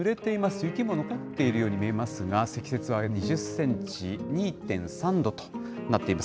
雪も残っているように見えますが、積雪は２０センチ、２．３度となっています。